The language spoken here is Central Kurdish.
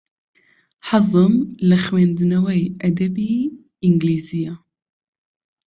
حەزم لە خوێندنەوەی ئەدەبی ئینگلیزییە.